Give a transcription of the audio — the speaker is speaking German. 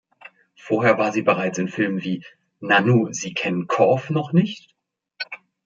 Vorher war sie bereits in Filmen wie "Nanu, Sie kennen Korff noch nicht?